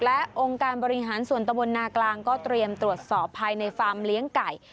และองค์การบริหารส่วนตะบนนากลางก็เตรียมตรวจสอบภายในฟาร์มเลี้ยงไก่